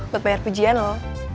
buat bayar pujian lo